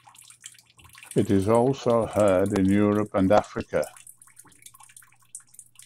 It is also heard in Europe and Africa.